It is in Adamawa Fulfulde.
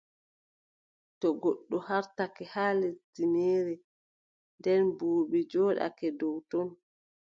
To goɗɗo haartake haa lesdi meere, nden buubi njooɗake dow ton,